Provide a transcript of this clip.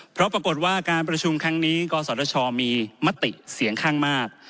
เพราะปรากฏว่าการประชุมครั้งนี้กศชมีมติเสียงข้างมาก